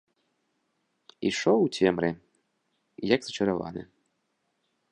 Ішоў у цемры, як зачараваны.